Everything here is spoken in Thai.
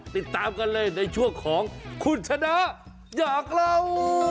ติดตามกันเลยในช่วงของคุณชนะอยากเล่า